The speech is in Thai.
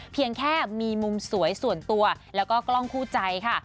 เพียงแค่มีมุมสวยส่วนตัวแล้วก็กล้องคู่ใจค่ะ